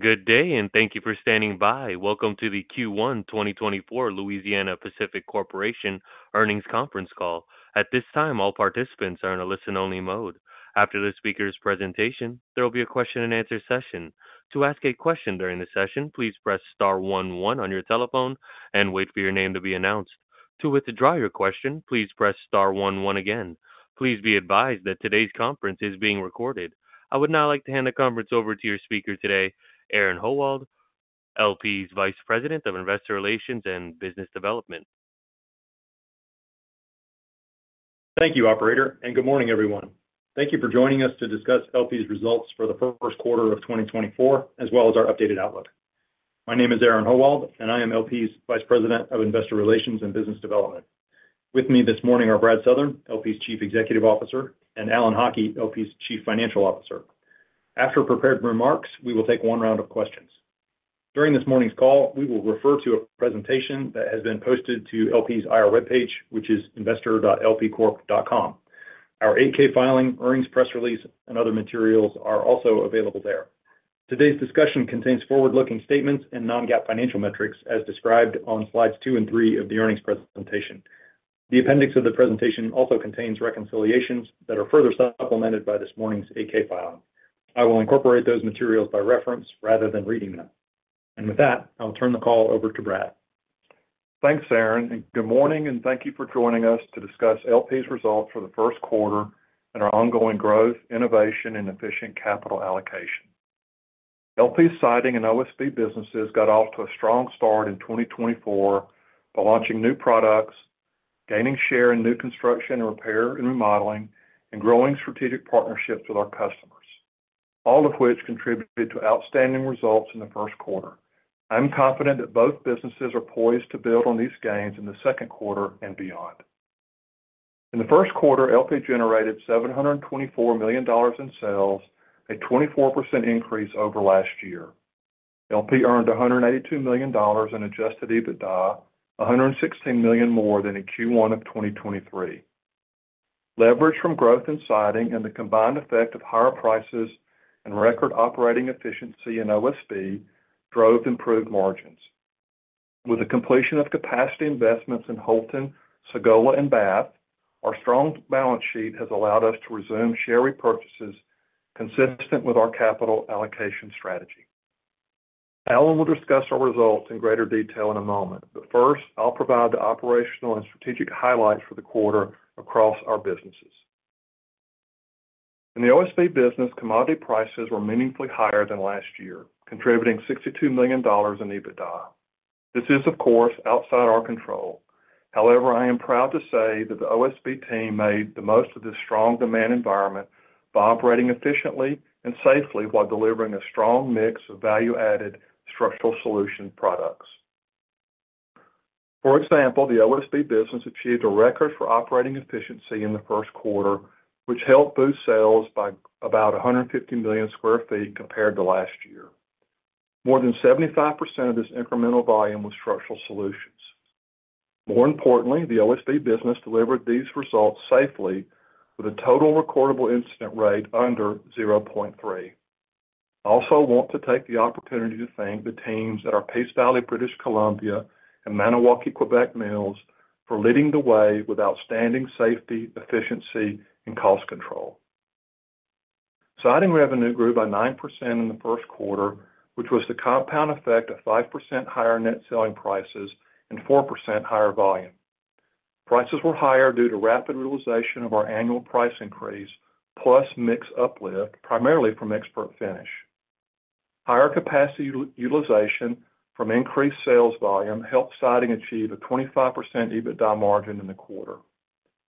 Good day and thank you for standing by. Welcome to the Q1 2024 Louisiana-Pacific Corporation Earnings Conference Call. At this time, all participants are in a listen-only mode. After the speaker's presentation, there will be a question-and-answer session. To ask a question during the session, please press star 11 on your telephone and wait for your name to be announced. To withdraw your question, please press star 11 again. Please be advised that today's conference is being recorded. I would now like to hand the conference over to your speaker today, Aaron Howald, LP's Vice President of Investor Relations and Business Development. Thank you, Operator, and good morning, everyone. Thank you for joining us to discuss LP's results for the first quarter of 2024, as well as our updated outlook. My name is Aaron Howald, and I am LP's Vice President of Investor Relations and Business Development. With me this morning are Brad Southern, LP's Chief Executive Officer, and Alan Haughie, LP's Chief Financial Officer. After prepared remarks, we will take one round of questions. During this morning's call, we will refer to a presentation that has been posted to LP's IR web page, which is investor.lpcorp.com. Our 8-K filing, earnings press release, and other materials are also available there. Today's discussion contains forward-looking statements and non-GAAP financial metrics, as described on slides 2 and 3 of the earnings presentation. The appendix of the presentation also contains reconciliations that are further supplemented by this morning's 8-K filing. I will incorporate those materials by reference rather than reading them. With that, I'll turn the call over to Brad. Thanks, Aaron. Good morning, and thank you for joining us to discuss LP's results for the first quarter and our ongoing growth, innovation, and efficient capital allocation. LP's siding and OSB businesses got off to a strong start in 2024 by launching new products, gaining share in new construction and repair and remodeling, and growing strategic partnerships with our customers, all of which contributed to outstanding results in the first quarter. I'm confident that both businesses are poised to build on these gains in the second quarter and beyond. In the first quarter, LP generated $724 million in sales, a 24% increase over last year. LP earned $182 million in adjusted EBITDA, $116 million more than in Q1 of 2023. Leverage from growth in siding and the combined effect of higher prices and record operating efficiency in OSB drove improved margins. With the completion of capacity investments in Houlton, Sagola, and Bath, our strong balance sheet has allowed us to resume share repurchases consistent with our capital allocation strategy. Alan will discuss our results in greater detail in a moment, but first I'll provide the operational and strategic highlights for the quarter across our businesses. In the OSB business, commodity prices were meaningfully higher than last year, contributing $62 million in EBITDA. This is, of course, outside our control. However, I am proud to say that the OSB team made the most of this strong demand environment by operating efficiently and safely while delivering a strong mix of value-added structural solution products. For example, the OSB business achieved a record for operating efficiency in the first quarter, which helped boost sales by about 150 million sq ft compared to last year. More than 75% of this incremental volume was structural solutions. More importantly, the OSB business delivered these results safely with a total recordable incident rate under 0.3. I also want to take the opportunity to thank the teams at our Peace Valley British Columbia and Maniwaki, Quebec mills for leading the way with outstanding safety, efficiency, and cost control. Siding revenue grew by 9% in the first quarter, which was the compound effect of 5% higher net selling prices and 4% higher volume. Prices were higher due to rapid utilization of our annual price increase plus mixed uplift, primarily from ExpertFinish. Higher capacity utilization from increased sales volume helped siding achieve a 25% EBITDA margin in the quarter.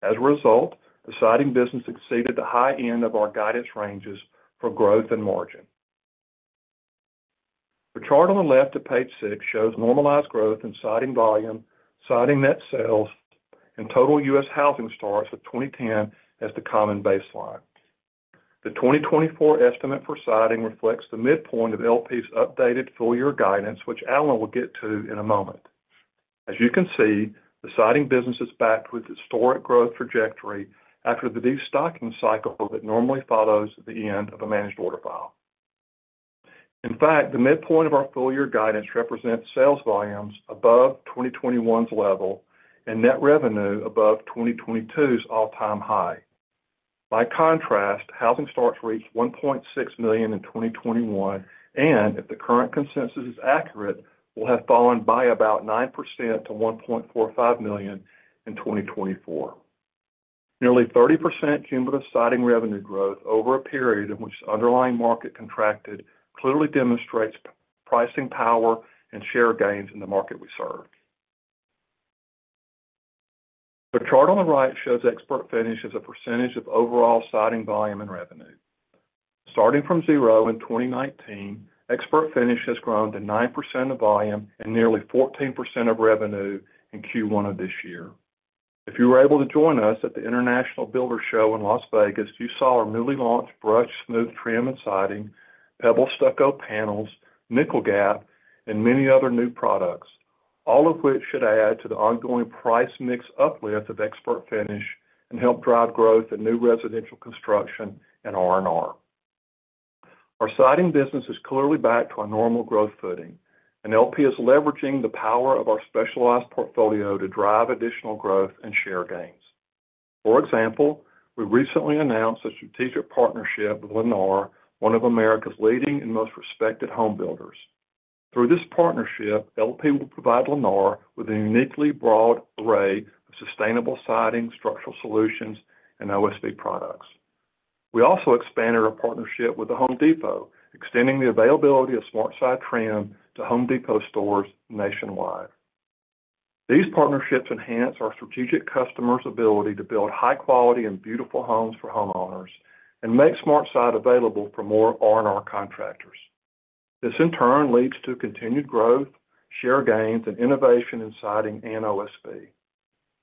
As a result, the siding business exceeded the high end of our guidance ranges for growth and margin. The chart on the left at page 6 shows normalized growth in siding volume, siding net sales, and total U.S. housing starts of 2010 as the common baseline. The 2024 estimate for siding reflects the midpoint of LP's updated full-year guidance, which Alan will get to in a moment. As you can see, the siding business is back to its historic growth trajectory after the destocking cycle that normally follows the end of a managed order file. In fact, the midpoint of our full-year guidance represents sales volumes above 2021's level and net revenue above 2022's all-time high. By contrast, housing starts reached 1.6 million in 2021, and if the current consensus is accurate, will have fallen by about 9% to 1.45 million in 2024. Nearly 30% cumulative siding revenue growth over a period in which the underlying market contracted clearly demonstrates pricing power and share gains in the market we serve. The chart on the right shows ExpertFinish as a percentage of overall siding volume and revenue. Starting from 0 in 2019, ExpertFinish has grown to 9% of volume and nearly 14% of revenue in Q1 of this year. If you were able to join us at the International Builders' Show in Las Vegas, you saw our newly launched Brushed Smooth trim and siding, Pebble Stucco panels, Nickel Gap, and many other new products, all of which should add to the ongoing price mix uplift of ExpertFinish and help drive growth in new residential construction and R&R. Our siding business is clearly back to our normal growth footing, and LP is leveraging the power of our specialized portfolio to drive additional growth and share gains. For example, we recently announced a strategic partnership with Lennar, one of America's leading and most respected home builders. Through this partnership, LP will provide Lennar with a uniquely broad array of sustainable siding, structural solutions, and OSB products. We also expanded our partnership with the Home Depot, extending the availability of SmartSide trim to Home Depot stores nationwide. These partnerships enhance our strategic customers' ability to build high-quality and beautiful homes for homeowners and make SmartSide available for more R&R contractors. This, in turn, leads to continued growth, share gains, and innovation in siding and OSB.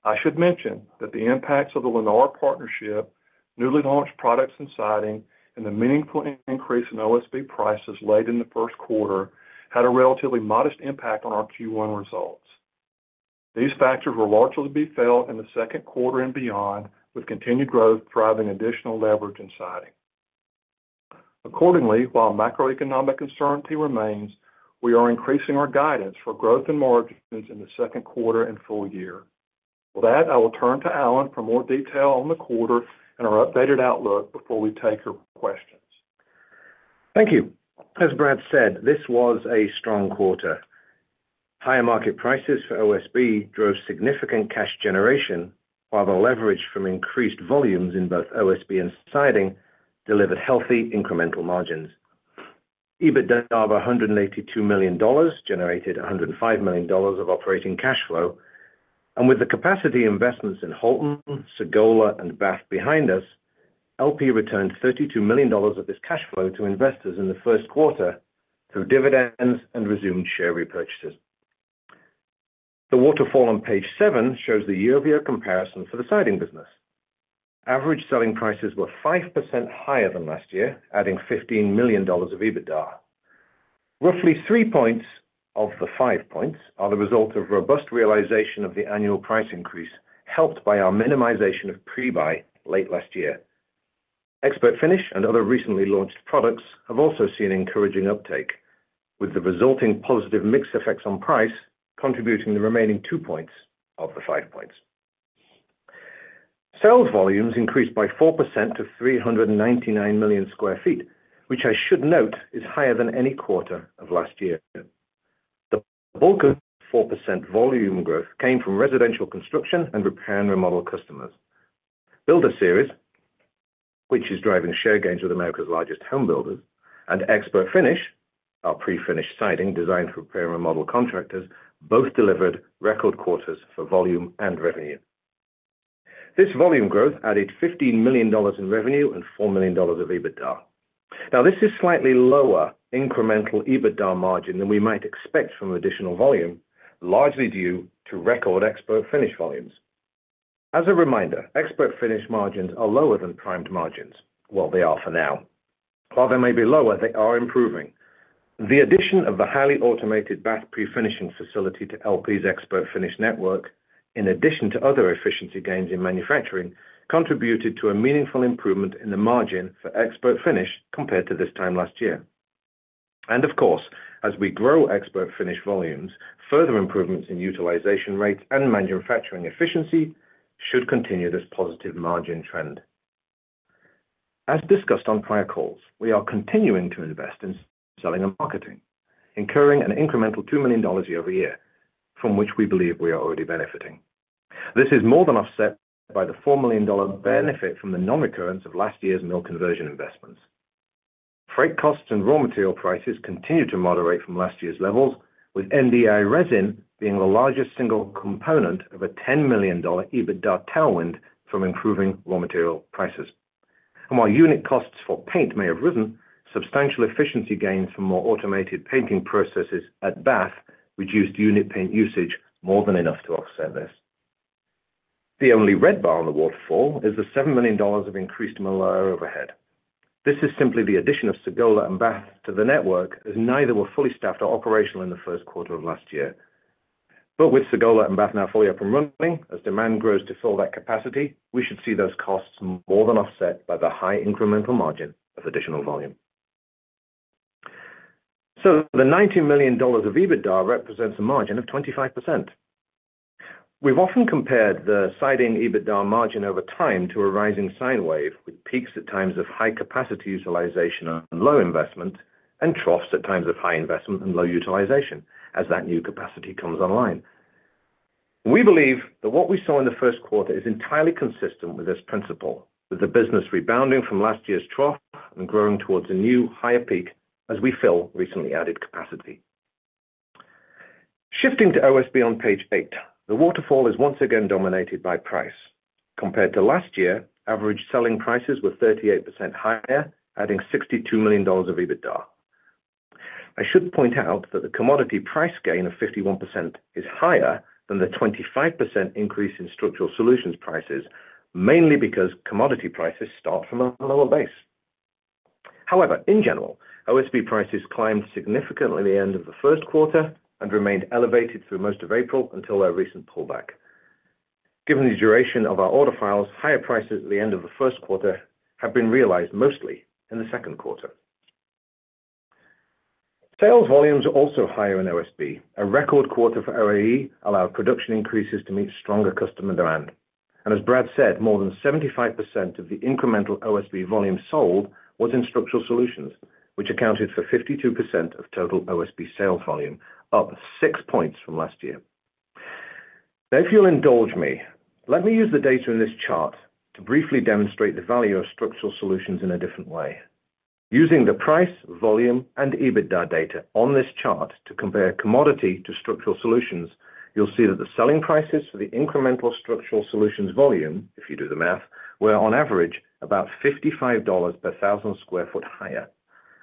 I should mention that the impacts of the Lennar partnership, newly launched products in siding, and the meaningful increase in OSB prices late in the first quarter had a relatively modest impact on our Q1 results. These factors will largely be felt in the second quarter and beyond, with continued growth driving additional leverage in siding. Accordingly, while macroeconomic uncertainty remains, we are increasing our guidance for growth and margins in the second quarter and full year. With that, I will turn to Alan for more detail on the quarter and our updated outlook before we take your questions. Thank you. As Brad said, this was a strong quarter. Higher market prices for OSB drove significant cash generation, while the leverage from increased volumes in both OSB and siding delivered healthy incremental margins. EBITDA of $182 million generated $105 million of operating cash flow, and with the capacity investments in Houlton, Sagola, and Bath behind us, LP returned $32 million of this cash flow to investors in the first quarter through dividends and resumed share repurchases. The waterfall on page seven shows the year-over-year comparison for the siding business. Average selling prices were 5% higher than last year, adding $15 million of EBITDA. Roughly three points of the five points are the result of robust realization of the annual price increase, helped by our minimization of pre-buy late last year. ExpertFinish and other recently launched products have also seen encouraging uptake, with the resulting positive mix effects on price contributing the remaining two points of the five points. Sales volumes increased by 4% to 399 million sq ft, which I should note is higher than any quarter of last year. The bulk of 4% volume growth came from residential construction and repair and remodel customers. BuilderSeries, which is driving share gains with America's largest home builders, and ExpertFinish, our pre-finished siding designed for repair and remodel contractors, both delivered record quarters for volume and revenue. This volume growth added $15 million in revenue and $4 million of EBITDA. Now, this is slightly lower incremental EBITDA margin than we might expect from additional volume, largely due to record ExpertFinish volumes. As a reminder, ExpertFinish margins are lower than primed margins, well, they are for now. While they may be lower, they are improving. The addition of the highly automated Bath pre-finishing facility to LP's ExpertFinish network, in addition to other efficiency gains in manufacturing, contributed to a meaningful improvement in the margin for ExpertFinish compared to this time last year. Of course, as we grow ExpertFinish volumes, further improvements in utilization rates and manufacturing efficiency should continue this positive margin trend. As discussed on prior calls, we are continuing to invest in selling and marketing, incurring an incremental $2 million year-over-year, from which we believe we are already benefiting. This is more than offset by the $4 million benefit from the non-recurrence of last year's mill conversion investments. Freight costs and raw material prices continue to moderate from last year's levels, with MDI resin being the largest single component of a $10 million EBITDA tailwind from improving raw material prices. While unit costs for paint may have risen, substantial efficiency gains from more automated painting processes at Bath reduced unit paint usage more than enough to offset this. The only red bar on the waterfall is the $7 million of increased mill area overhead. This is simply the addition of Sagola and Bath to the network, as neither were fully staffed or operational in the first quarter of last year. With Sagola and Bath now fully up and running, as demand grows to fill that capacity, we should see those costs more than offset by the high incremental margin of additional volume. The $19 million of EBITDA represents a margin of 25%. We've often compared the siding EBITDA margin over time to a rising sine wave with peaks at times of high capacity utilization and low investment, and troughs at times of high investment and low utilization as that new capacity comes online. We believe that what we saw in the first quarter is entirely consistent with this principle, with the business rebounding from last year's trough and growing towards a new higher peak as we fill recently added capacity. Shifting to OSB on page 8, the waterfall is once again dominated by price. Compared to last year, average selling prices were 38% higher, adding $62 million of EBITDA. I should point out that the commodity price gain of 51% is higher than the 25% increase in structural solutions prices, mainly because commodity prices start from a lower base. However, in general, OSB prices climbed significantly at the end of the first quarter and remained elevated through most of April until our recent pullback. Given the duration of our order files, higher prices at the end of the first quarter have been realized mostly in the second quarter. Sales volumes are also higher in OSB. A record quarter for OEE allowed production increases to meet stronger customer demand. And as Brad said, more than 75% of the incremental OSB volume sold was in Structural Solutions, which accounted for 52% of total OSB sales volume, up 6 points from last year. Now, if you'll indulge me, let me use the data in this chart to briefly demonstrate the value of Structural Solutions in a different way. Using the price, volume, and EBITDA data on this chart to compare commodity to structural solutions, you'll see that the selling prices for the incremental structural solutions volume, if you do the math, were on average about $55 per 1,000 sq ft higher,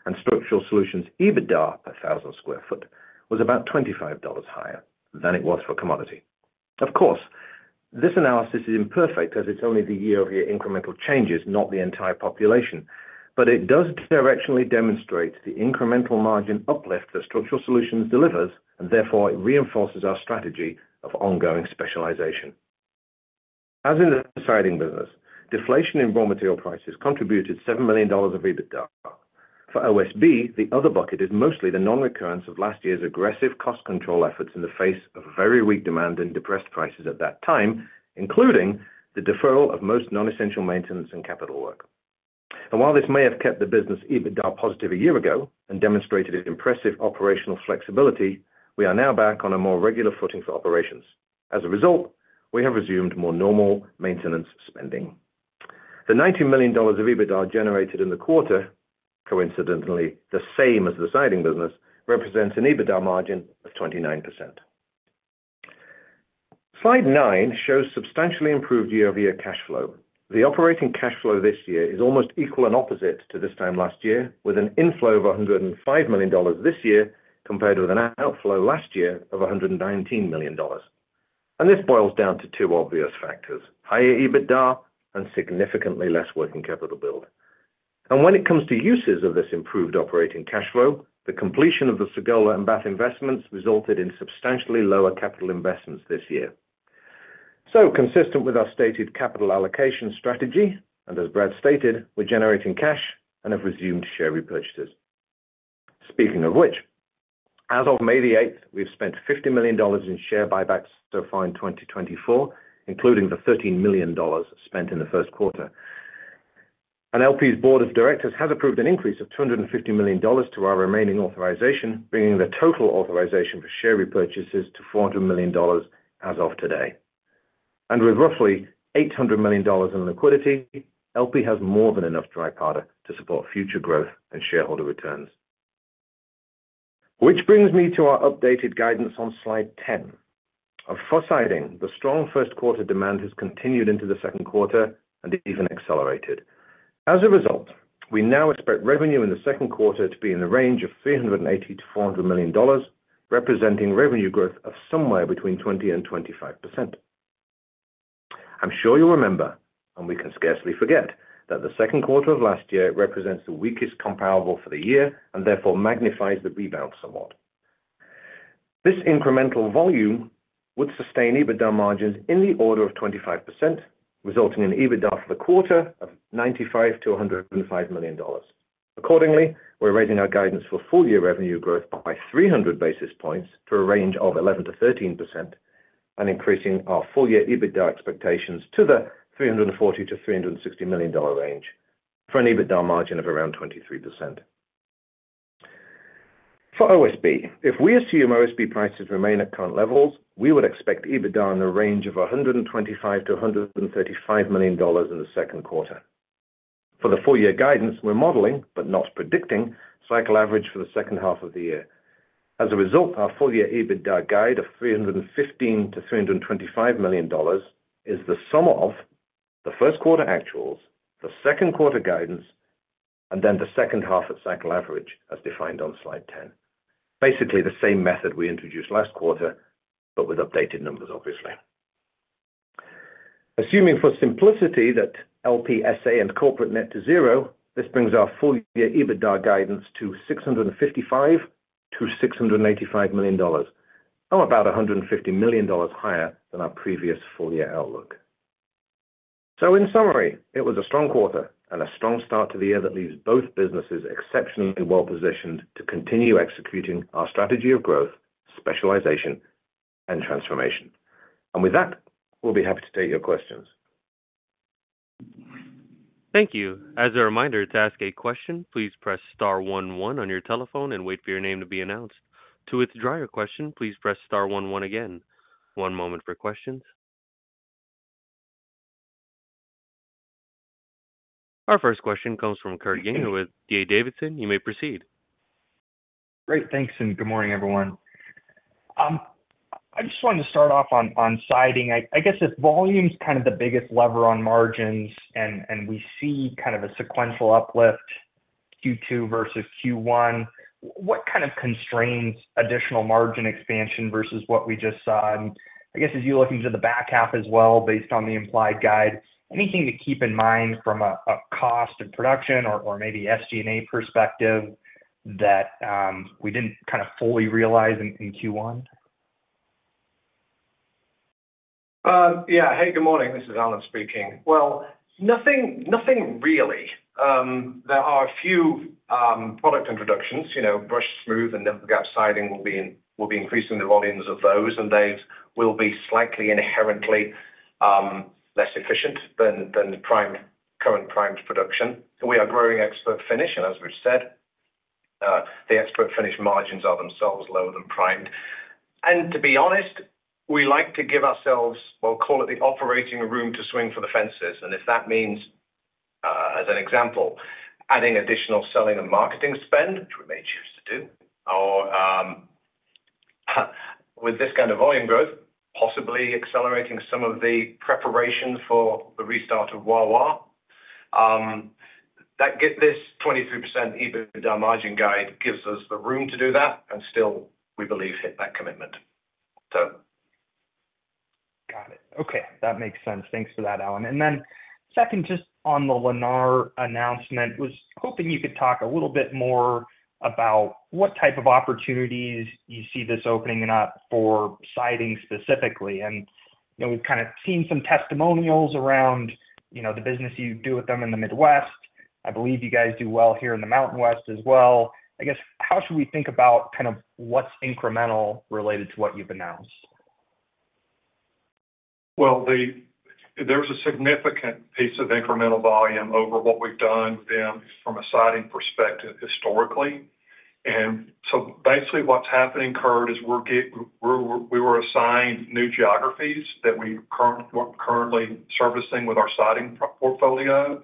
and structural solutions EBITDA per 1,000 sq ft was about $25 higher than it was for commodity. Of course, this analysis is imperfect as it's only the year-over-year incremental changes, not the entire population, but it does directionally demonstrate the incremental margin uplift that structural solutions delivers, and therefore it reinforces our strategy of ongoing specialization. As in the siding business, deflation in raw material prices contributed $7 million of EBITDA. For OSB, the other bucket is mostly the non-recurrence of last year's aggressive cost control efforts in the face of very weak demand and depressed prices at that time, including the deferral of most non-essential maintenance and capital work. While this may have kept the business EBITDA positive a year ago and demonstrated impressive operational flexibility, we are now back on a more regular footing for operations. As a result, we have resumed more normal maintenance spending. The $19 million of EBITDA generated in the quarter, coincidentally the same as the siding business, represents an EBITDA margin of 29%. Slide 9 shows substantially improved year-over-year cash flow. The operating cash flow this year is almost equal and opposite to this time last year, with an inflow of $105 million this year compared with an outflow last year of $119 million. This boils down to two obvious factors: higher EBITDA and significantly less working capital build. When it comes to uses of this improved operating cash flow, the completion of the Sagola and Bath investments resulted in substantially lower capital investments this year. Consistent with our stated capital allocation strategy, and as Brad stated, we're generating cash and have resumed share repurchases. Speaking of which, as of May 8th, we've spent $50 million in share buybacks so far in 2024, including the $13 million spent in the first quarter. LP's board of directors has approved an increase of $250 million to our remaining authorization, bringing the total authorization for share repurchases to $400 million as of today. With roughly $800 million in liquidity, LP has more than enough dry powder to support future growth and shareholder returns. Which brings me to our updated guidance on slide 10. In foresight, the strong first quarter demand has continued into the second quarter and even accelerated. As a result, we now expect revenue in the second quarter to be in the range of $380-$400 million, representing revenue growth of somewhere between 20%-25%. I'm sure you'll remember, and we can scarcely forget, that the second quarter of last year represents the weakest comparable for the year and therefore magnifies the rebound somewhat. This incremental volume would sustain EBITDA margins in the order of 25%, resulting in EBITDA for the quarter of $95-$105 million. Accordingly, we're raising our guidance for full-year revenue growth by 300 basis points to a range of 11%-13%, and increasing our full-year EBITDA expectations to the $340-$360 million range for an EBITDA margin of around 23%. For OSB, if we assume OSB prices remain at current levels, we would expect EBITDA in the range of $125-$135 million in the second quarter. For the full-year guidance, we're modeling but not predicting cycle average for the second half of the year. As a result, our full-year EBITDA guide of $315-$325 million is the sum of the first quarter actuals, the second quarter guidance, and then the second half at cycle average as defined on slide 10. Basically, the same method we introduced last quarter, but with updated numbers, obviously. Assuming for simplicity that LPSA and corporate net to zero, this brings our full-year EBITDA guidance to $655-$685 million, or about $150 million higher than our previous full-year outlook. In summary, it was a strong quarter and a strong start to the year that leaves both businesses exceptionally well positioned to continue executing our strategy of growth, specialization, and transformation. With that, we'll be happy to take your questions. Thank you. As a reminder, to ask a question, please press star 11 on your telephone and wait for your name to be announced. To withdraw your question, please press star 11 again. One moment for questions. Our first question comes from Kurt Yinger with D.A. Davidson. You may proceed. Great. Thanks, and good morning, everyone. I just wanted to start off on siding. I guess if volume's kind of the biggest lever on margins and we see kind of a sequential uplift Q2 versus Q1, what kind of constrains additional margin expansion versus what we just saw? I guess as you're looking to the back half as well, based on the implied guide, anything to keep in mind from a cost of production or maybe SG&A perspective that we didn't kind of fully realize in Q1? Yeah. Hey, good morning. This is Alan speaking. Well, nothing really. There are a few product introductions. Brushed Smooth and Nickel Gap siding will be increasing the volumes of those, and they will be slightly inherently less efficient than current primed production. We are growing ExpertFinish, and as we've said, the ExpertFinish margins are themselves lower than primed. And to be honest, we like to give ourselves, well, call it the operating room to swing for the fences. And if that means, as an example, adding additional selling and marketing spend, which we may choose to do, or with this kind of volume growth, possibly accelerating some of the preparations for the restart of Wawa, this 23% EBITDA margin guide gives us the room to do that, and still, we believe, hit that commitment, so. Got it. Okay. That makes sense. Thanks for that, Alan. And then second, just on the Lennar announcement, was hoping you could talk a little bit more about what type of opportunities you see this opening up for siding specifically. And we've kind of seen some testimonials around the business you do with them in the Midwest. I believe you guys do well here in the Mountain West as well. I guess how should we think about kind of what's incremental related to what you've announced? Well, there's a significant piece of incremental volume over what we've done with them from a siding perspective historically. So basically, what's happening, Kurt, is we were assigned new geographies that we're currently servicing with our siding portfolio.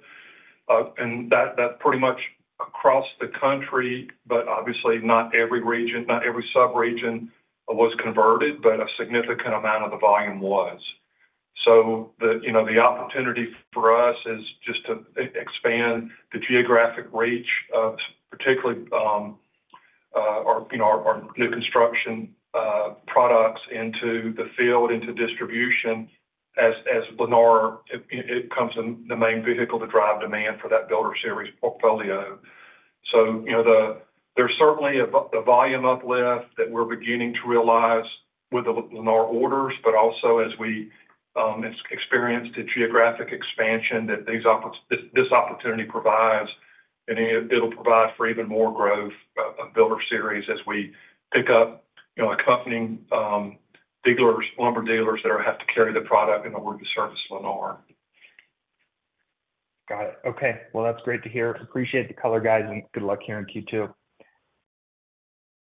And that's pretty much across the country, but obviously, not every region, not every sub region was converted, but a significant amount of the volume was. So the opportunity for us is just to expand the geographic reach of particularly our new construction products into the field, into distribution, as Lennar, it becomes the main vehicle to drive demand for that BuilderSeries portfolio. There's certainly a volume uplift that we're beginning to realize with the Lennar orders, but also as we experience the geographic expansion that this opportunity provides, and it'll provide for even more growth of BuilderSeries as we pick up accompanying lumber dealers that have to carry the product in order to service Lennar. Got it. Okay. Well, that's great to hear. Appreciate the color guides, and good luck here in Q2.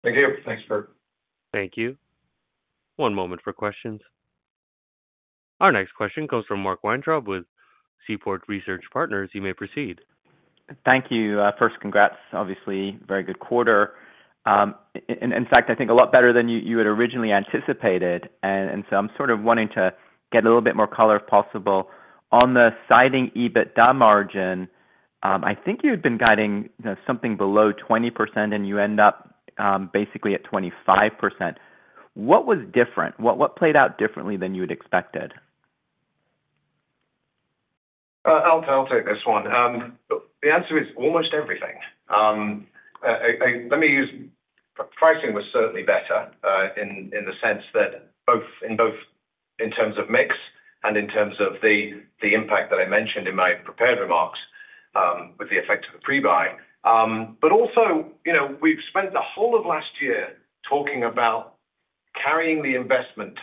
Thank you. Thanks, Kurt. Thank you. One moment for questions. Our next question comes from Mark Weintraub with Seaport Research Partners. You may proceed. Thank you. First, congrats. Obviously, very good quarter. In fact, I think a lot better than you had originally anticipated. And so I'm sort of wanting to get a little bit more color, if possible. On the siding EBITDA margin, I think you had been guiding something below 20%, and you end up basically at 25%. What was different? What played out differently than you had expected? I'll take this one. The answer is almost everything. Let me use pricing was certainly better in the sense that in both in terms of mix and in terms of the impact that I mentioned in my prepared remarks with the effect of the prebuy. But also, we've spent the whole of last year talking about carrying the investment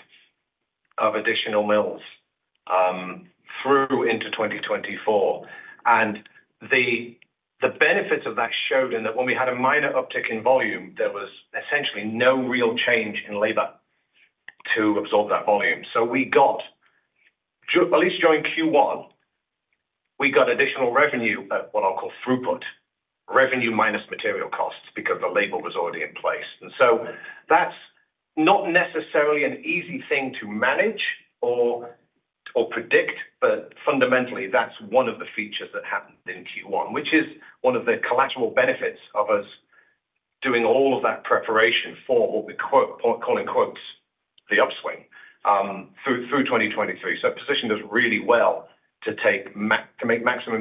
of additional mills through into 2024. And the benefits of that showed in that when we had a minor uptick in volume, there was essentially no real change in labor to absorb that volume. So at least during Q1, we got additional revenue at what I'll call throughput, revenue minus material costs because the labor was already in place. And so that's not necessarily an easy thing to manage or predict, but fundamentally, that's one of the features that happened in Q1, which is one of the collateral benefits of us doing all of that preparation for what we're calling the upswing through 2023. So positioned us really well to make maximum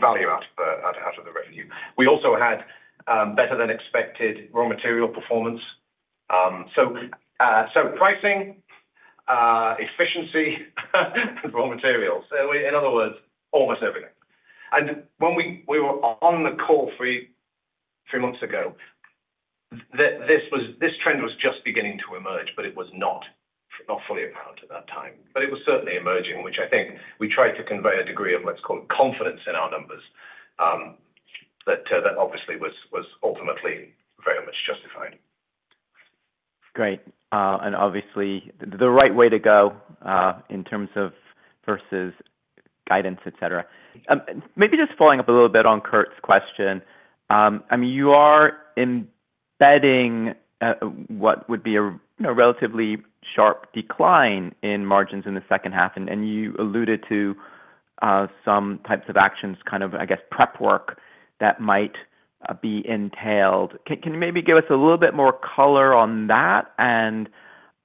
value out of the revenue. We also had better-than-expected raw material performance. So pricing, efficiency, and raw materials. In other words, almost everything. And when we were on the call three months ago, this trend was just beginning to emerge, but it was not fully apparent at that time. But it was certainly emerging, which I think we tried to convey a degree of, let's call it, confidence in our numbers that obviously was ultimately very much justified. Great. Obviously, the right way to go in terms of versus guidance, etc. Maybe just following up a little bit on Kurt's question. I mean, you are embedding what would be a relatively sharp decline in margins in the second half, and you alluded to some types of actions, kind of, I guess, prep work that might be entailed. Can you maybe give us a little bit more color on that?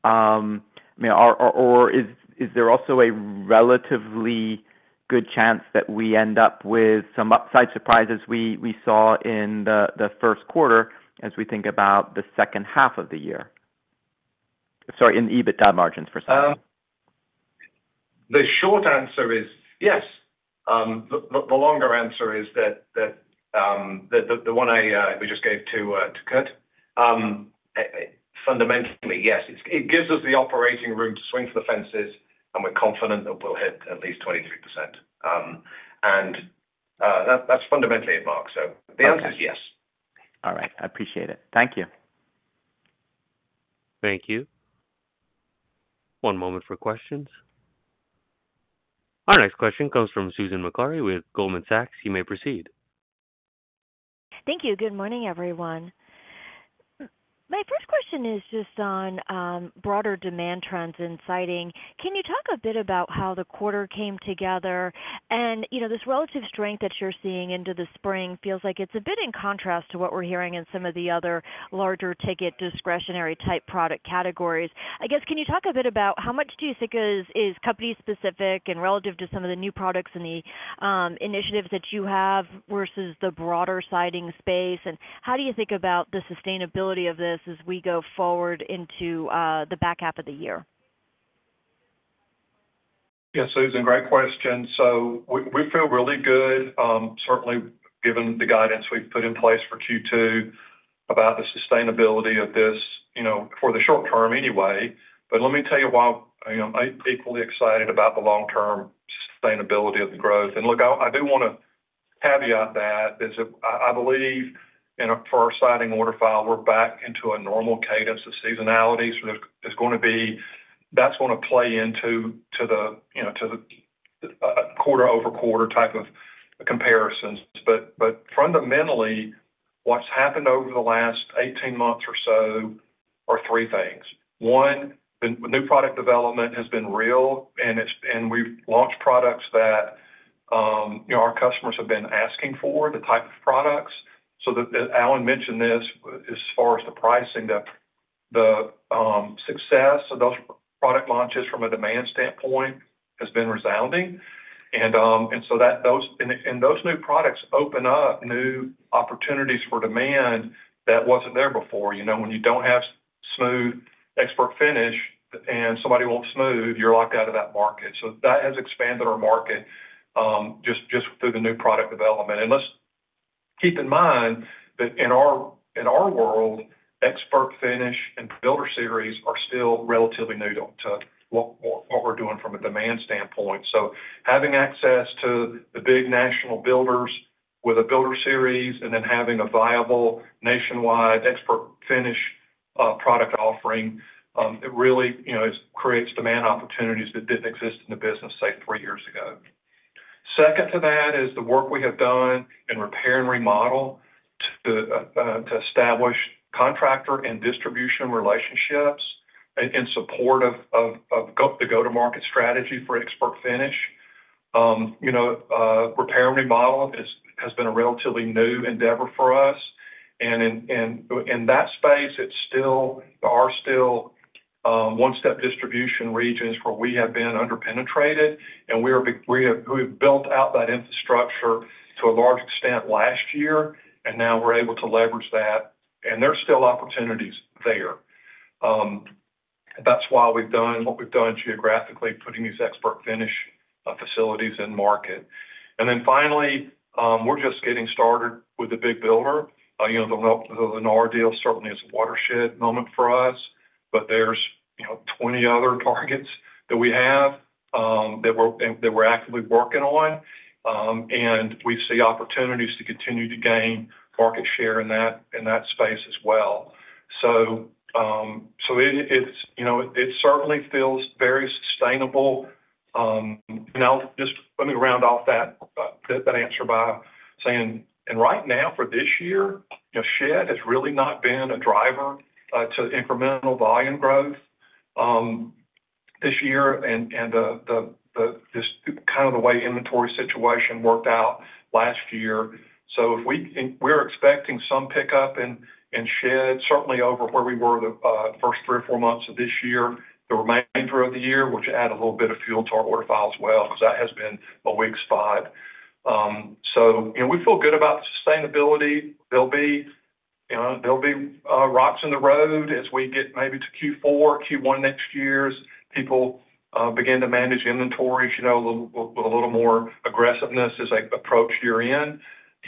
Or is there also a relatively good chance that we end up with some upside surprises we saw in the first quarter as we think about the second half of the year? Sorry, in EBITDA margins, for example. The short answer is yes. The longer answer is that the one I just gave to Kurt, fundamentally, yes. It gives us the operating room to swing for the fences, and we're confident that we'll hit at least 23%. And that's fundamentally it, Mark. So the answer is yes. All right. I appreciate it. Thank you. Thank you. One moment for questions. Our next question comes from Susan Maklari with Goldman Sachs. You may proceed. Thank you. Good morning, everyone. My first question is just on broader demand trends in siding. Can you talk a bit about how the quarter came together? This relative strength that you're seeing into the spring feels like it's a bit in contrast to what we're hearing in some of the other larger ticket discretionary-type product categories. I guess, can you talk a bit about how much do you think is company-specific and relative to some of the new products and the initiatives that you have versus the broader siding space? How do you think about the sustainability of this as we go forward into the back half of the year? Yeah. Susan, great question. So we feel really good, certainly given the guidance we've put in place for Q2 about the sustainability of this for the short term anyway. But let me tell you why I'm equally excited about the long-term sustainability of the growth. And look, I do want to caveat that is that I believe for our siding order file, we're back into a normal cadence of seasonality. So that's going to play into the quarter-over-quarter type of comparisons. But fundamentally, what's happened over the last 18 months or so are three things. One, the new product development has been real, and we've launched products that our customers have been asking for, the type of products. Alan mentioned this as far as the pricing. The success of those product launches from a demand standpoint has been resounding. So those new products open up new opportunities for demand that wasn't there before. When you don't have Smooth ExpertFinish and somebody wants smooth, you're locked out of that market. So that has expanded our market just through the new product development. Let's keep in mind that in our world, ExpertFinish and BuilderSeries are still relatively new to what we're doing from a demand standpoint. So having access to the big national builders with a BuilderSeries and then having a viable nationwide ExpertFinish product offering, it really creates demand opportunities that didn't exist in the business, say, three years ago. Second to that is the work we have done in repair and remodel to establish contractor and distribution relationships in support of the go-to-market strategy for ExpertFinish. Repair and remodel has been a relatively new endeavor for us. In that space, there are still one-step distribution regions where we have been underpenetrated, and we have built out that infrastructure to a large extent last year, and now we're able to leverage that. There's still opportunities there. That's why we've done what we've done geographically, putting these ExpertFinish facilities in market. Then finally, we're just getting started with the big builder. The Lennar deal certainly is a watershed moment for us, but there's 20 other targets that we have that we're actively working on. We see opportunities to continue to gain market share in that space as well. So it certainly feels very sustainable. Just let me round off that answer by saying, right now for this year, shed has really not been a driver to incremental volume growth this year and kind of the way inventory situation worked out last year. So we're expecting some pickup in shed, certainly over where we were the first three or four months of this year, the remainder of the year, which adds a little bit of fuel to our order file as well because that has been a weak spot. So we feel good about the sustainability. There'll be rocks in the road as we get maybe to Q4, Q1 next year as people begin to manage inventories with a little more aggressiveness as they approach year-end.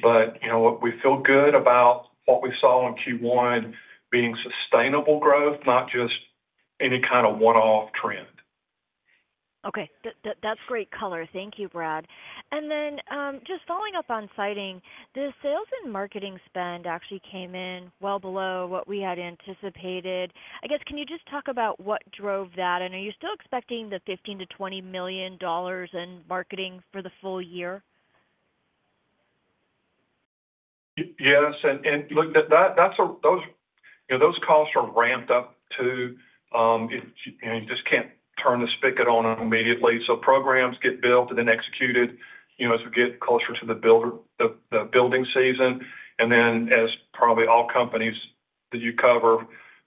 But we feel good about what we saw in Q1 being sustainable growth, not just any kind of one-off trend. Okay. That's great color. Thank you, Brad. Then just following up on siding, the sales and marketing spend actually came in well below what we had anticipated. I guess, can you just talk about what drove that? And are you still expecting the $15-$20 million in marketing for the full year? Yes. Look, those costs are ramped up too. You just can't turn the spigot on immediately. Programs get built and then executed as we get closer to the building season. Then as probably all companies that you cover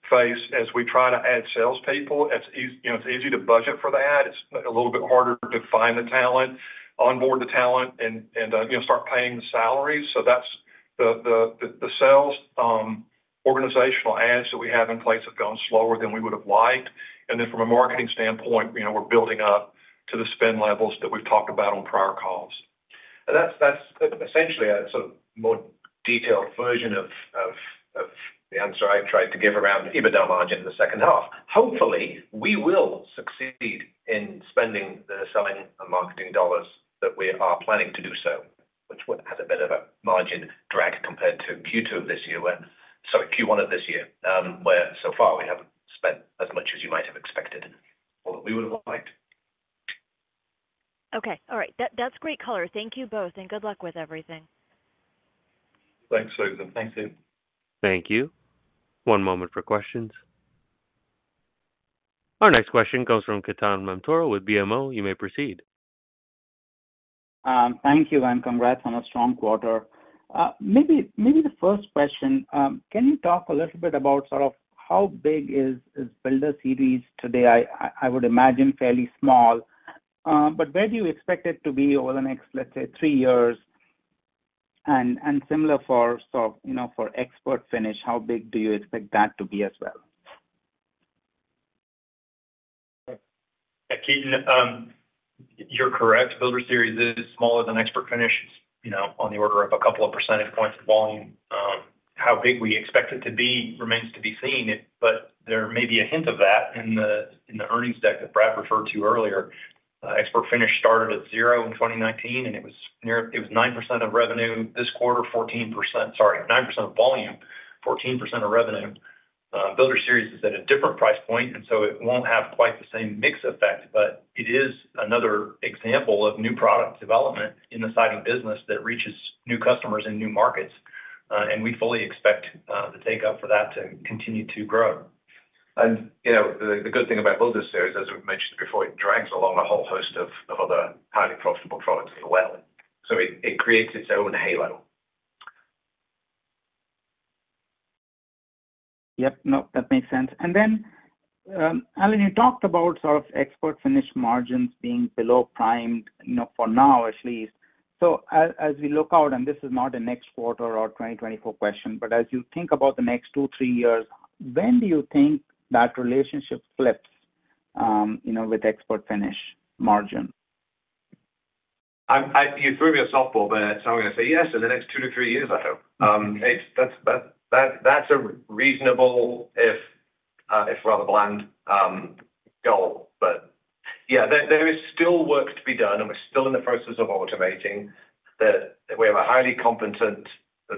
face, as we try to add salespeople, it's easy to budget for that. It's a little bit harder to find the talent, onboard the talent, and start paying the salaries. The sales organizational adds that we have in place have gone slower than we would have liked. From a marketing standpoint, we're building up to the spend levels that we've talked about on prior calls. That's essentially a sort of more detailed version of the answer I tried to give around EBITDA margin in the second half. Hopefully, we will succeed in spending the selling and marketing dollars that we are planning to do so, which has a bit of a margin drag compared to Q2 of this year sorry, Q1 of this year, where so far we haven't spent as much as you might have expected or that we would have liked. Okay. All right. That's great color. Thank you both, and good luck with everything. Thanks, Susan. Thank you. Thank you. One moment for questions. Our next question comes from Ketan Mamtora with BMO. You may proceed. Thank you, and congrats on a strong quarter. Maybe the first question, can you talk a little bit about sort of how big is BuilderSeries today? I would imagine fairly small. But where do you expect it to be over the next, let's say, three years? And similar for ExpertFinish, how big do you expect that to be as well? Ketan, you're correct. BuilderSeries is smaller than ExpertFinish, on the order of a couple of percentage points of volume. How big we expect it to be remains to be seen, but there may be a hint of that in the earnings deck that Brad referred to earlier. ExpertFinish started at zero in 2019, and it was 9% of revenue this quarter, 14% sorry, 9% of volume, 14% of revenue. BuilderSeries is at a different price point, and so it won't have quite the same mix effect, but it is another example of new product development in the siding business that reaches new customers in new markets. And we fully expect the take-up for that to continue to grow. The good thing about BuilderSeries, as we've mentioned before, it drags along a whole host of other highly profitable products as well. It creates its own halo. Yep. Nope. That makes sense. And then, Alan, you talked about sort of ExpertFinish margins being below primed for now, at least. So as we look out and this is not a next quarter or 2024 question, but as you think about the next two, three years, when do you think that relationship flips with ExpertFinish margin? You threw me a softball there. So I'm going to say yes, in the next two-three years, I hope. That's a reasonable, if rather bland, goal. But yeah, there is still work to be done, and we're still in the process of automating. We have a highly competent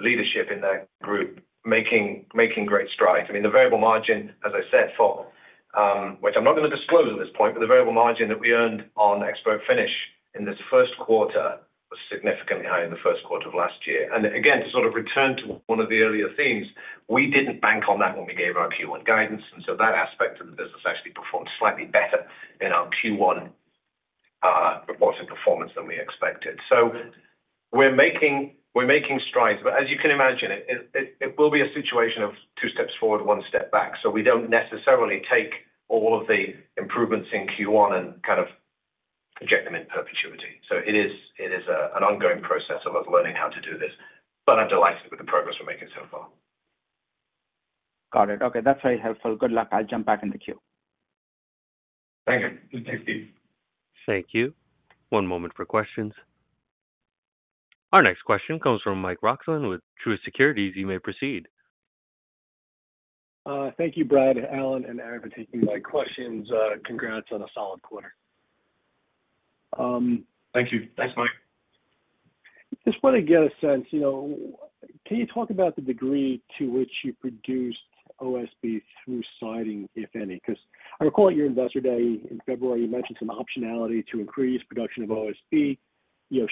leadership in that group making great strides. I mean, the variable margin, as I said, for which I'm not going to disclose at this point, but the variable margin that we earned on ExpertFinish in this first quarter was significantly higher in the first quarter of last year. And again, to sort of return to one of the earlier themes, we didn't bank on that when we gave our Q1 guidance. And so that aspect of the business actually performed slightly better in our Q1 reported performance than we expected. So we're making strides. But as you can imagine, it will be a situation of two steps forward, one step back. So we don't necessarily take all of the improvements in Q1 and kind of project them in perpetuity. So it is an ongoing process of us learning how to do this. But I'm delighted with the progress we're making so far. Got it. Okay. That's very helpful. Good luck. I'll jump back in the queue. Thank you. Thank you. One moment for questions. Our next question comes from Mike Roxland with Truist Securities. You may proceed. Thank you, Brad, Alan, and Aaron for taking my questions. Congrats on a solid quarter. Thank you. Thanks, Mike. I just want to get a sense. Can you talk about the degree to which you produced OSB through siding, if any? Because I recall at your investor day in February, you mentioned some optionality to increase production of OSB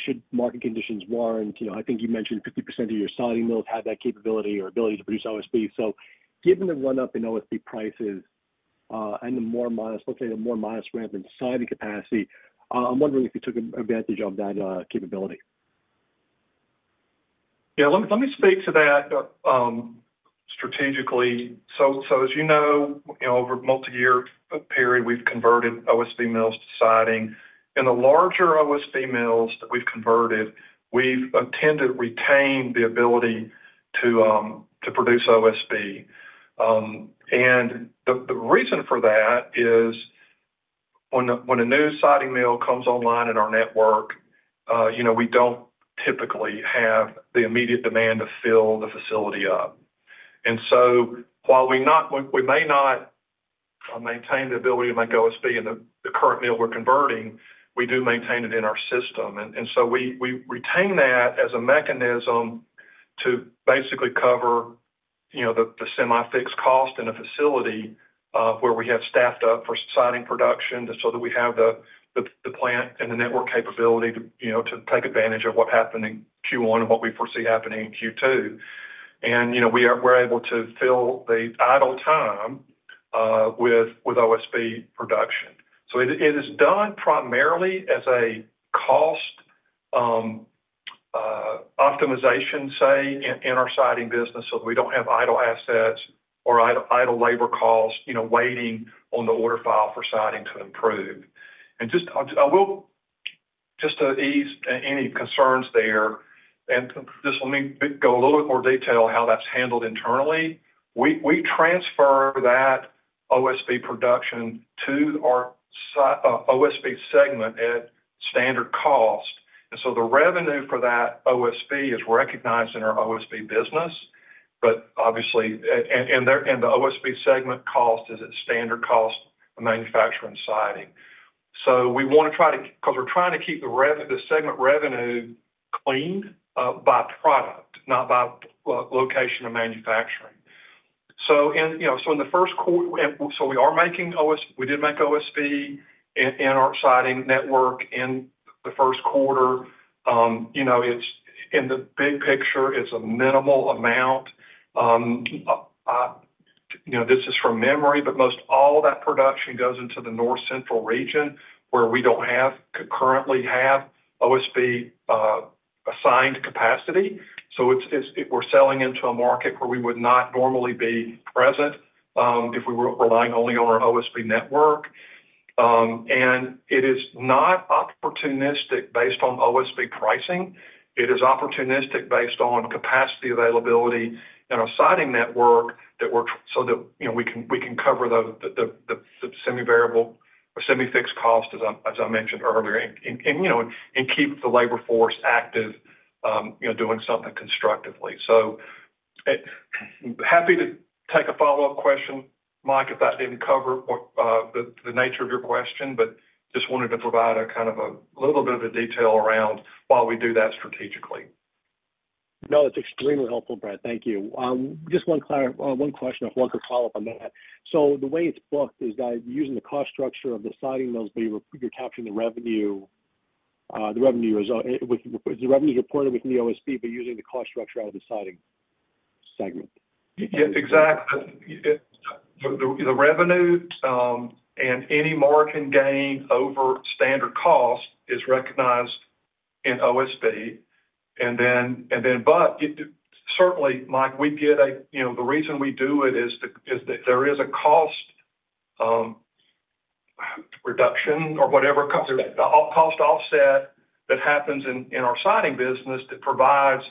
should market conditions warrant. I think you mentioned 50% of your siding mills had that capability or ability to produce OSB. So given the run-up in OSB prices and the more minus let's say the more minus ramp in siding capacity, I'm wondering if you took advantage of that capability. Yeah. Let me speak to that strategically. So as you know, over a multi-year period, we've converted OSB mills to siding. In the larger OSB mills that we've converted, we've tended to retain the ability to produce OSB. The reason for that is when a new siding mill comes online in our network, we don't typically have the immediate demand to fill the facility up. While we may not maintain the ability to make OSB in the current mill we're converting, we do maintain it in our system. We retain that as a mechanism to basically cover the semi-fixed cost in a facility where we have staffed up for siding production so that we have the plant and the network capability to take advantage of what happened in Q1 and what we foresee happening in Q2. We're able to fill the idle time with OSB production. It is done primarily as a cost optimization, say, in our siding business so that we don't have idle assets or idle labor costs waiting on the order file for siding to improve. And just to ease any concerns there and just let me go a little bit more detail how that's handled internally. We transfer that OSB production to our OSB segment at standard cost. And so the revenue for that OSB is recognized in our OSB business, but obviously and the OSB segment cost is at standard cost of manufacturing siding. So we want to try to because we're trying to keep the segment revenue cleaned by product, not by location of manufacturing. So in the first quarter so we are making we did make OSB in our siding network in the first quarter. In the big picture, it's a minimal amount. This is from memory, but most all that production goes into the North Central region where we don't currently have OSB assigned capacity. We're selling into a market where we would not normally be present if we were relying only on our OSB network. It is not opportunistic based on OSB pricing. It is opportunistic based on capacity availability in our siding network so that we can cover the semi-variable or semi-fixed cost, as I mentioned earlier, and keep the labor force active doing something constructively. Happy to take a follow-up question, Mike, if that didn't cover the nature of your question, but just wanted to provide a kind of a little bit of a detail around why we do that strategically. No, that's extremely helpful, Brad. Thank you. Just one question if one could follow up on that. So the way it's booked is that using the cost structure of the siding mills, but you're capturing the revenue as the revenue is reported within the OSB, but using the cost structure out of the siding segment. Yeah, exactly. The revenue and any margin gain over standard cost is recognized in OSB. But certainly, Mike, we get the reason we do it is that there is a cost reduction or whatever cost offset that happens in our siding business that provides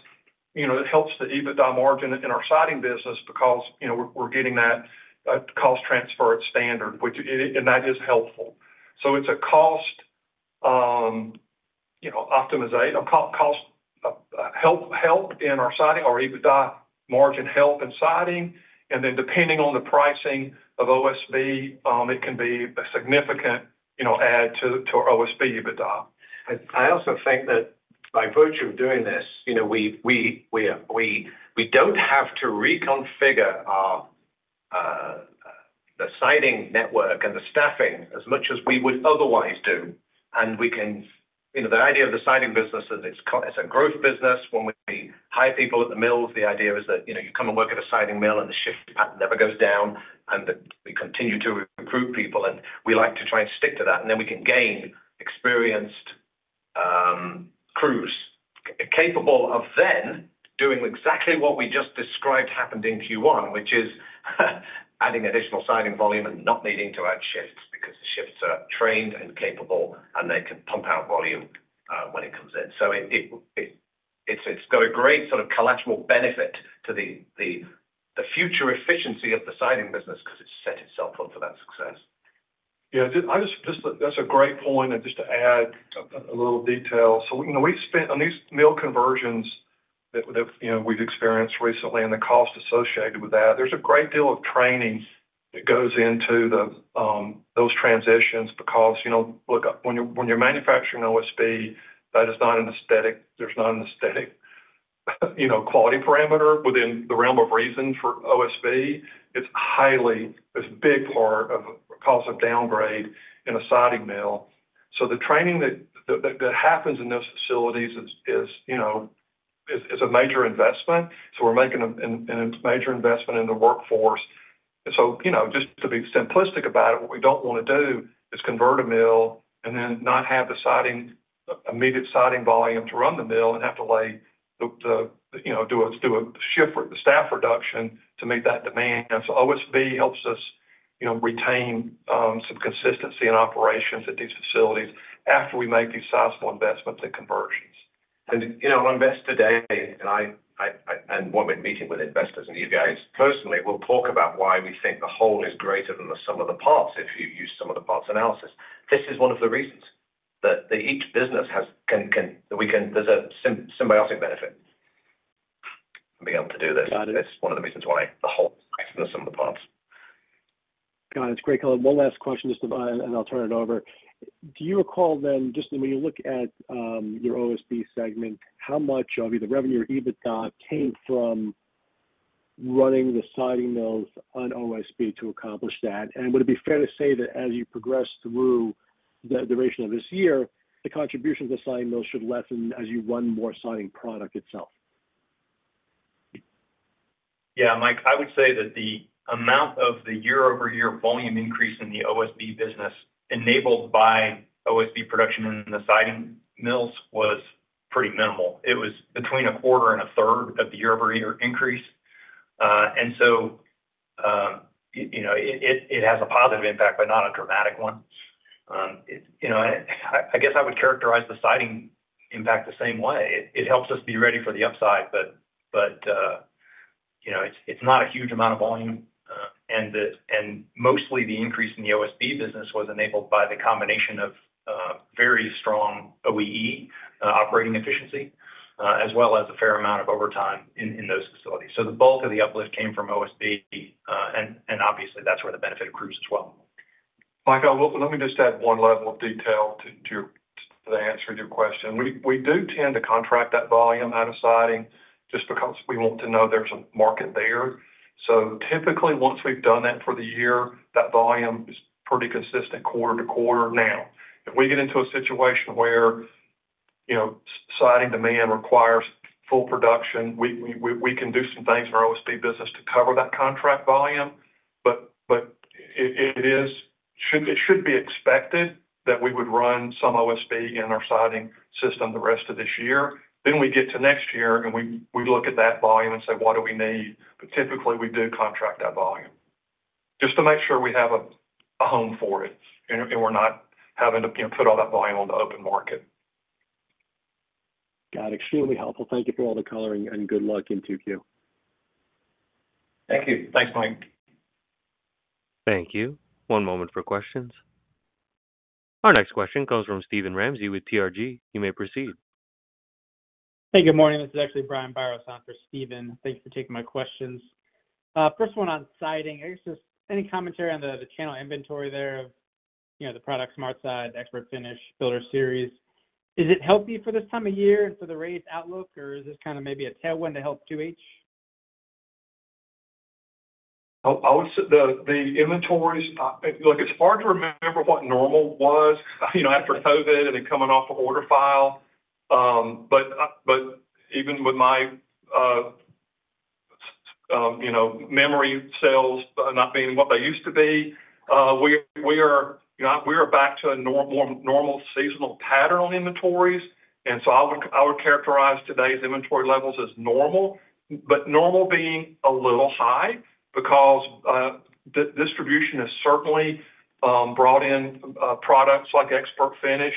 it helps the EBITDA margin in our siding business because we're getting that cost transfer at standard, and that is helpful. So it's a cost optimization help in our siding or EBITDA margin help in siding. And then depending on the pricing of OSB, it can be a significant add to our OSB EBITDA. I also think that by virtue of doing this, we don't have to reconfigure the siding network and the staffing as much as we would otherwise do. And we can keep the idea of the siding business is it's a growth business. When we hire people at the mills, the idea is that you come and work at a siding mill, and the shift pattern never goes down, and that we continue to recruit people. And we like to try and stick to that. And then we can gain experienced crews capable of then doing exactly what we just described happened in Q1, which is adding additional siding volume and not needing to add shifts because the shifts are trained and capable, and they can pump out volume when it comes in. It's got a great sort of collateral benefit to the future efficiency of the siding business because it's set itself up for that success. Yeah. That's a great point. And just to add a little detail, so we spent on these mill conversions that we've experienced recently and the cost associated with that, there's a great deal of training that goes into those transitions because look, when you're manufacturing OSB, that is not an aesthetic. There's not an aesthetic quality parameter within the realm of reason for OSB. It's a big part of the cost of downgrade in a siding mill. So the training that happens in those facilities is a major investment. So we're making a major investment in the workforce. And so just to be simplistic about it, what we don't want to do is convert a mill and then not have the immediate siding volume to run the mill and have to lay off or do a shift with the staff reduction to meet that demand. So OSB helps us retain some consistency in operations at these facilities after we make these sizable investments and conversions. On Investor Day, and when we're meeting with investors and you guys personally, we'll talk about why we think the whole is greater than the sum of the parts if you use sum of the parts analysis. This is one of the reasons that each business has, and there's a symbiotic benefit from being able to do this. That's one of the reasons why the whole is greater than the sum of the parts. Got it. That's great, Colin. One last question, and I'll turn it over. Do you recall then just when you look at your OSB segment, how much of either revenue or EBITDA came from running the siding mills on OSB to accomplish that? And would it be fair to say that as you progress through the duration of this year, the contributions to siding mills should lessen as you run more siding product itself? Yeah, Mike, I would say that the amount of the year-over-year volume increase in the OSB business enabled by OSB production in the siding mills was pretty minimal. It was between a quarter and a third of the year-over-year increase. And so it has a positive impact, but not a dramatic one. I guess I would characterize the siding impact the same way. It helps us be ready for the upside, but it's not a huge amount of volume. And mostly, the increase in the OSB business was enabled by the combination of very strong OEE operating efficiency as well as a fair amount of overtime in those facilities. So the bulk of the uplift came from OSB. And obviously, that's where the benefit accrues as well. Mike, let me just add one level of detail to the answer to your question. We do tend to contract that volume out of siding just because we want to know there's a market there. So typically, once we've done that for the year, that volume is pretty consistent quarter to quarter. Now, if we get into a situation where siding demand requires full production, we can do some things in our OSB business to cover that contract volume. But it should be expected that we would run some OSB in our siding system the rest of this year. Then we get to next year, and we look at that volume and say, "What do we need?" But typically, we do contract that volume just to make sure we have a home for it and we're not having to put all that volume on the open market. Got it. Extremely helpful. Thank you for all the coloring, and good luck in 2Q. Thank you. Thanks, Mike. Thank you. One moment for questions. Our next question comes from Stephen Ramsey with TRG. You may proceed. Hey, good morning. This is actually Brian Biros on for Stephen. Thanks for taking my questions. First one on siding. I guess just any commentary on the channel inventory there of the LP SmartSide, the ExpertFinish, BuilderSeries. Is it healthy for this time of year and for the raised outlook, or is this kind of maybe a tailwind to help 2H? I would say the inventories look. It's hard to remember what normal was after COVID and then coming off the order file. Even with my memory cells not being what they used to be, we are back to a more normal seasonal pattern on inventories. So I would characterize today's inventory levels as normal, but normal being a little high because distribution has certainly brought in products like ExpertFinish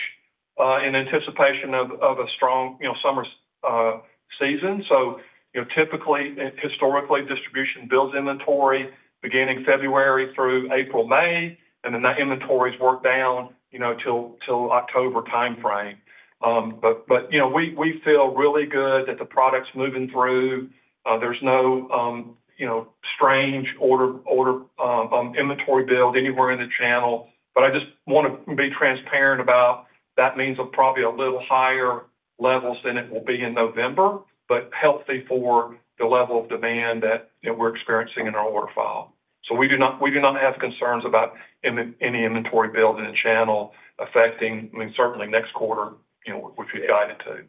in anticipation of a strong summer season. Typically, historically, distribution builds inventory beginning February through April, May, and then that inventory is worked down till October timeframe. We feel really good that the product's moving through. There's no strange order inventory build anywhere in the channel. I just want to be transparent about that. That means probably a little higher levels than it will be in November, but healthy for the level of demand that we're experiencing in our order file. We do not have concerns about any inventory build in the channel affecting, I mean, certainly next quarter, which we've guided to.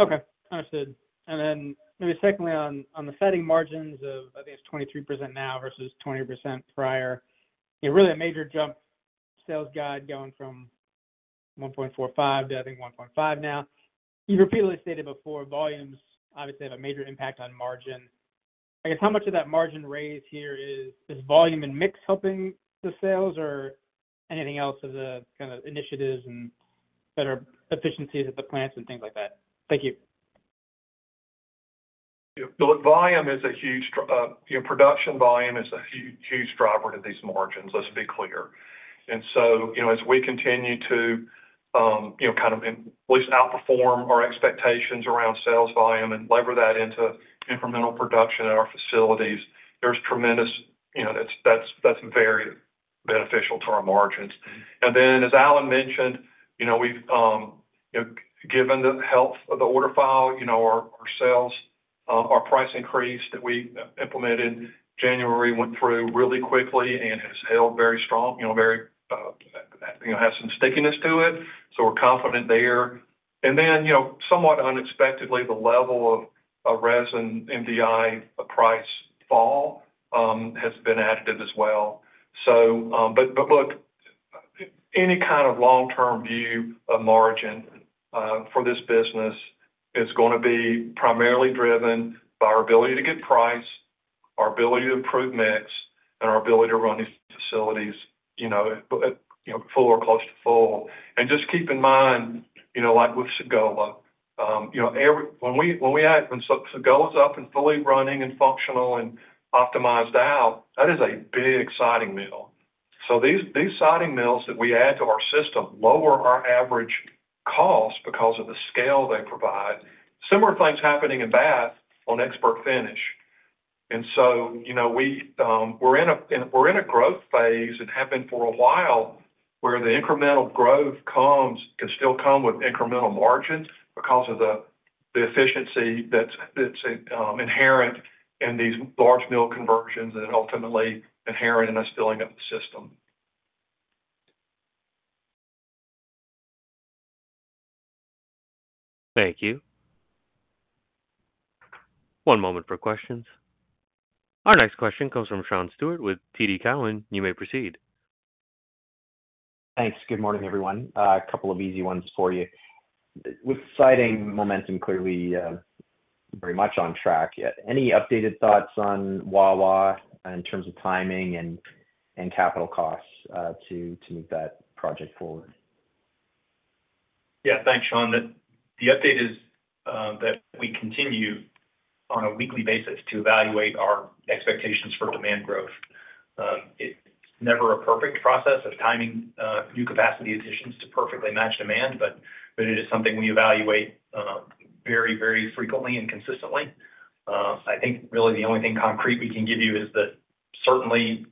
Okay. Understood. And then maybe secondly, on the setting margins of, I think, it's 23% now versus 20% prior, really a major jump sales guide going from $1.45-$1.5 now. You repeatedly stated before, volumes, obviously, have a major impact on margin. I guess how much of that margin raise here is volume and mix helping the sales, or anything else of the kind of initiatives and better efficiencies at the plants and things like that? Thank you. Look, production volume is a huge driver to these margins, let's be clear. And so as we continue to kind of at least outperform our expectations around sales volume and lever that into incremental production at our facilities, there's tremendous that's very beneficial to our margins. And then as Alan mentioned, given the health of the order file, our sales, our price increase that we implemented in January went through really quickly and has held very strong, has some stickiness to it. So we're confident there. And then somewhat unexpectedly, the level of resin MDI price fall has been additive as well. But look, any kind of long-term view of margin for this business is going to be primarily driven by our ability to get price, our ability to improve mix, and our ability to run these facilities full or close to full. Just keep in mind, like with Sagola, when Sagola's up and fully running and functional and optimized out, that is a big siding mill. So these siding mills that we add to our system lower our average cost because of the scale they provide. Similar things happening in Bath on ExpertFinish. So we're in a growth phase and have been for a while where the incremental growth can still come with incremental margins because of the efficiency that's inherent in these large mill conversions and then ultimately inherent in us filling up the system. Thank you. One moment for questions. Our next question comes from Sean Stewart with TD Cowen. You may proceed. Thanks. Good morning, everyone. A couple of easy ones for you. With siding momentum, clearly, very much on track yet. Any updated thoughts on Wawa in terms of timing and capital costs to move that project forward? Yeah, thanks, Sean. The update is that we continue on a weekly basis to evaluate our expectations for demand growth. It's never a perfect process of timing new capacity additions to perfectly match demand, but it is something we evaluate very, very frequently and consistently. I think really the only thing concrete we can give you is that certainly,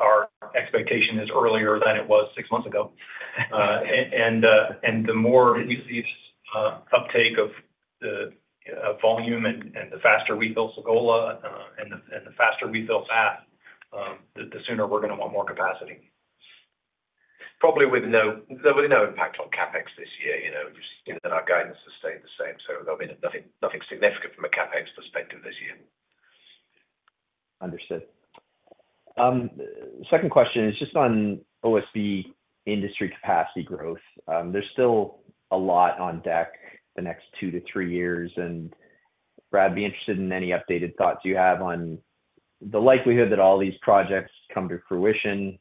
our expectation is earlier than it was six months ago. And the more we see this uptake of volume and the faster we fill Sagola and the faster we fill Bath, the sooner we're going to want more capacity. Probably with no impact on CapEx this year, just given that our guidance has stayed the same. So there'll be nothing significant from a CapEx perspective this year. Understood. Second question is just on OSB industry capacity growth. There's still a lot on deck the next 2-3 years. And Brad, I'd be interested in any updated thoughts you have on the likelihood that all these projects come to fruition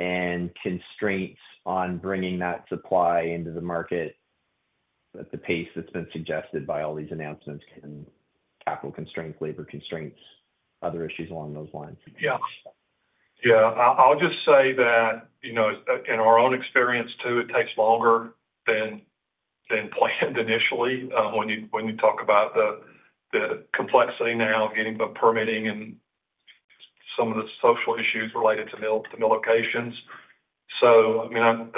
and constraints on bringing that supply into the market at the pace that's been suggested by all these announcements: capital constraints, labor constraints, other issues along those lines? Yeah. Yeah. I'll just say that in our own experience, too, it takes longer than planned initially when you talk about the complexity now of getting permitting and some of the social issues related to mill locations. So I mean,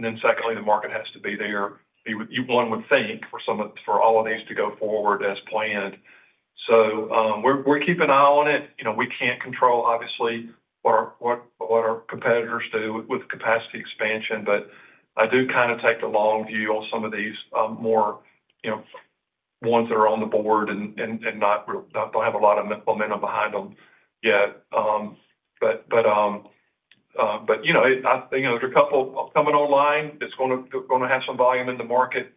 then secondly, the market has to be there, one would think, for all of these to go forward as planned. So we're keeping an eye on it. We can't control, obviously, what our competitors do with capacity expansion. But I do kind of take the long view on some of these more ones that are on the board and don't have a lot of momentum behind them yet. But there's a couple coming online that's going to have some volume in the market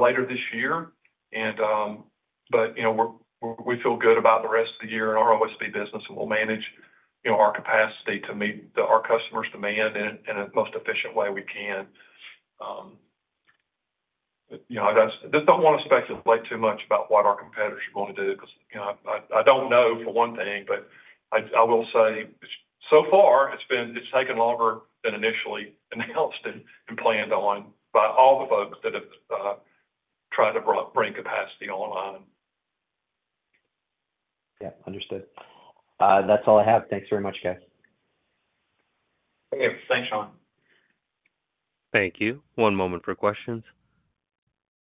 later this year. But we feel good about the rest of the year in our OSB business, and we'll manage our capacity to meet our customers' demand in the most efficient way we can. I just don't want to speculate too much about what our competitors are going to do because I don't know for one thing. But I will say, so far, it's taken longer than initially announced and planned on by all the folks that have tried to bring capacity online. Yeah. Understood. That's all I have. Thanks very much, guys. Thanks, Sean. Thank you. One moment for questions.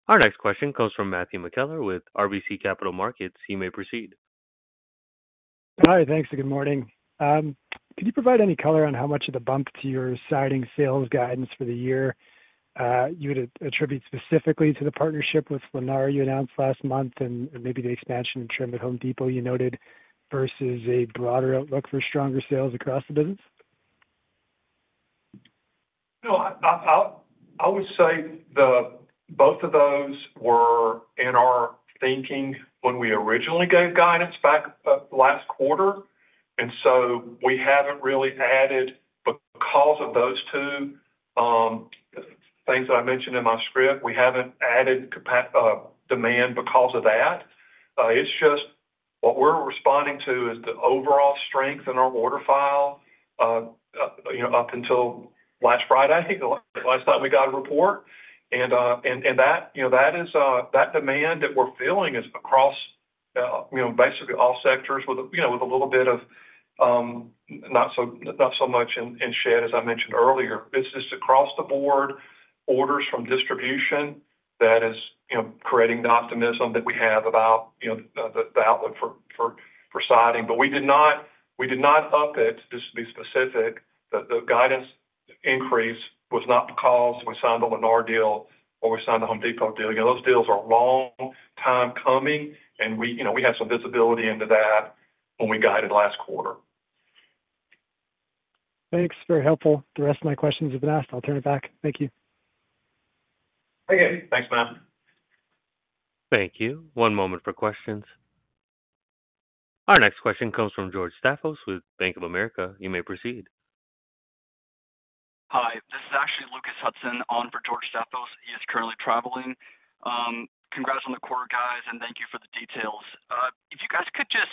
Our next question comes from Matthew McKellar with RBC Capital Markets. You may proceed. Hi. Thanks. Good morning. Could you provide any color on how much of the bump to your siding sales guidance for the year you would attribute specifically to the partnership with Lennar you announced last month and maybe the expansion and trim at Home Depot you noted versus a broader outlook for stronger sales across the business? No, I would say both of those were in our thinking when we originally gave guidance back last quarter. And so we haven't really added because of those two things that I mentioned in my script, we haven't added demand because of that. It's just what we're responding to is the overall strength in our order file up until last Friday, last time we got a report. And that demand that we're feeling is across basically all sectors with a little bit of not so much in shed, as I mentioned earlier. It's just across the board, orders from distribution that is creating the optimism that we have about the outlook for siding. But we did not up it, just to be specific. The guidance increase was not because we signed the Lennar deal or we signed the Home Depot deal. Those deals are long time coming, and we had some visibility into that when we guided last quarter. Thanks. Very helpful. The rest of my questions have been asked. I'll turn it back. Thank you. Thank you. Thanks, Matt. Thank you. One moment for questions. Our next question comes from George Staphos with Bank of America. You may proceed. Hi. This is actually Lucas Hudson on for George Staphos. He is currently traveling. Congrats on the quarter, guys, and thank you for the details. If you guys could just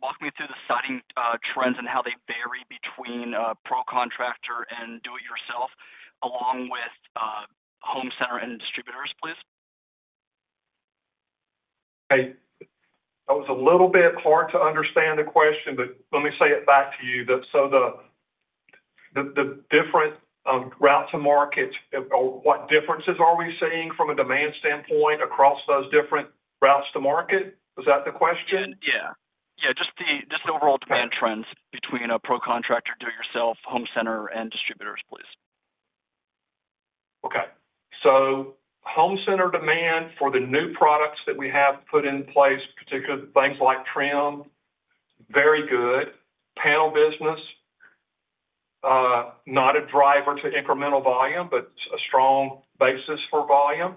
walk me through the siding trends and how they vary between pro contractor and do-it-yourself along with home center and distributors, please. Hey, that was a little bit hard to understand the question, but let me say it back to you. So the different routes to markets, or what differences are we seeing from a demand standpoint across those different routes to market? Was that the question? Yeah. Yeah. Just the overall demand trends between a pro contractor, do-it-yourself, home center, and distributors, please. Okay. So home center demand for the new products that we have put in place, particularly things like trim, very good. Panel business, not a driver to incremental volume, but a strong basis for volume,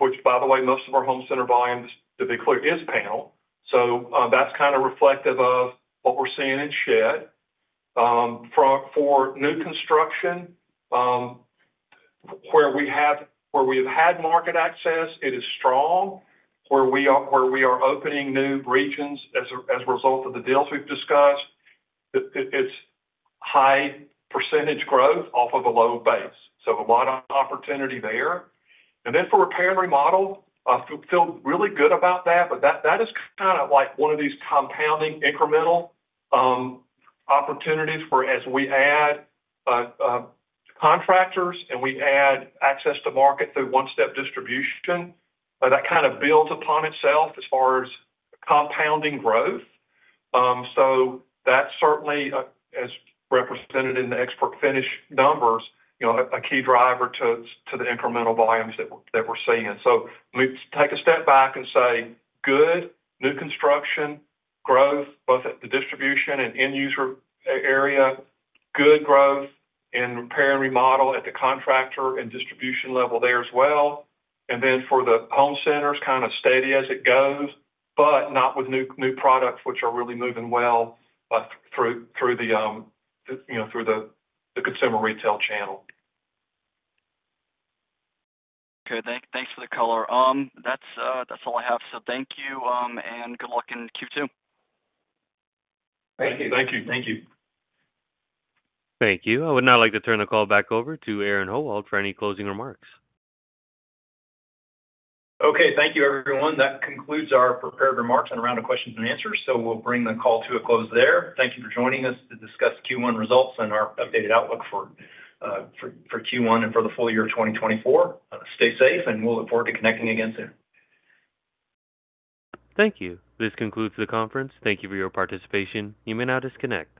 which, by the way, most of our home center volume, to be clear, is panel. So that's kind of reflective of what we're seeing in shed. For new construction, where we have had market access, it is strong. Where we are opening new regions as a result of the deals we've discussed, it's high percentage growth off of a low base. So a lot of opportunity there. And then for repair and remodel, I feel really good about that. But that is kind of one of these compounding incremental opportunities where as we add contractors and we add access to market through one-step distribution, that kind of builds upon itself as far as compounding growth. So that's certainly, as represented in the ExpertFinish numbers, a key driver to the incremental volumes that we're seeing. So let me take a step back and say good new construction growth, both at the distribution and end-user area. Good growth in repair and remodel at the contractor and distribution level there as well. And then for the home centers, kind of steady as it goes, but not with new products, which are really moving well through the consumer retail channel. Okay. Thanks for the color. That's all I have. Thank you, and good luck in Q2. Thank you. Thank you. Thank you. Thank you. I would now like to turn the call back over to Aaron Howald for any closing remarks. Okay. Thank you, everyone. That concludes our prepared remarks and round of questions and answers. So we'll bring the call to a close there. Thank you for joining us to discuss Q1 results and our updated outlook for Q1 and for the full year of 2024. Stay safe, and we'll look forward to connecting again soon. Thank you. This concludes the conference. Thank you for your participation. You may now disconnect.